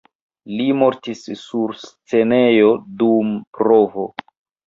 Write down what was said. Li mortis sur scenejo dum provo.